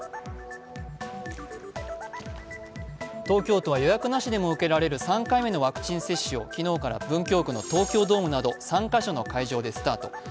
東京都は予約なしでも受けられる３回目のワクチン接種を昨日から文京区の東京ドームなど３カ所の会場でスタート。